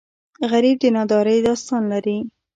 غریب د نادارۍ داستان لري